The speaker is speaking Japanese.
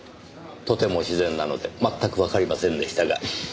とても自然なので全くわかりませんでしたが。